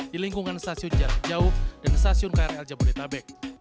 di lingkungan stasiun jarak jauh dan stasiun krl jabodetabek